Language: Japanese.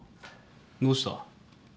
どうした？